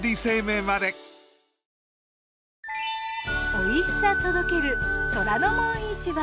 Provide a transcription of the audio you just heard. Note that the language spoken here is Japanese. おいしさ届ける『虎ノ門市場』。